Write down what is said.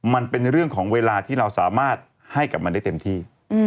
มันเป็นเรื่องของเวลาที่เราสามารถให้กับมันได้เต็มที่